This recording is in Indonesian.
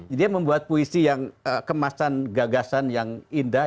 jadi dia membuat puisi yang kemasan gagasan yang indah